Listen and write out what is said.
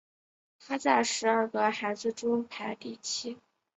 他在十二个孩子中排第七。